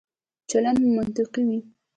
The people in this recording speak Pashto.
چلند مو منطقي وي.